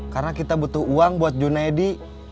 karena kita butuh uang buat junaedi